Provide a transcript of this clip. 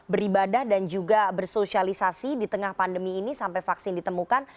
beribadah dan juga bersosialisasi di tengah pandemi ini sampai vaksin ditemukan